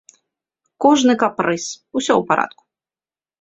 Кожны капрыз, усё ў парадку.